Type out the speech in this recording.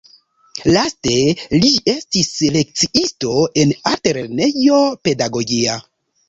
Laste li estis lekciisto en altlernejo pedagogia.